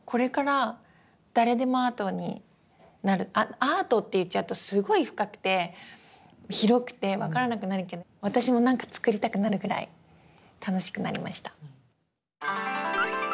アートって言っちゃうとすごい深くて広くて分からなくなるけど私も何か作りたくなるぐらい楽しくなりました。